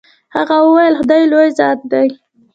هغه وويل خداى لوى ذات دې.